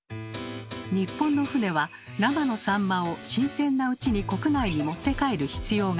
日本の船は生のサンマを新鮮なうちに国内に持って帰る必要があります。